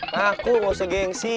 nah aku gak usah gengsi